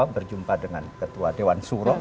berjumpa dengan ketua dewan suro